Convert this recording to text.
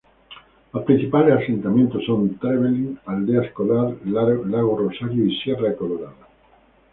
Los principales asentamientos son Trevelin, Aldea Escolar, Lago Rosario y Sierra Colorada.